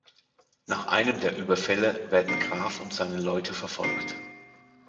Nach einem der Überfälle werden Graff und seine Leute verfolgt.